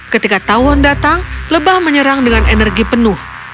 ketika tawon datang lebah menyerang dengan energi penuh